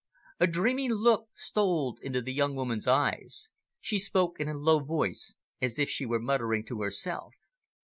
A dreamy look stole into the young woman's eyes. She spoke in a low voice, as if she were muttering to herself.